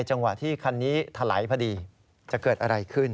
จะเกิดอะไรขึ้น